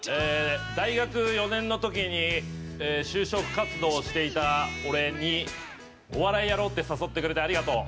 大学４年の時に就職活動していた俺にお笑いやろうって誘ってくれてありがとう。